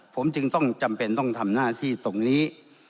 ผมจึงต้องจำเป็นต้องทำหน้าที่ตรงนี้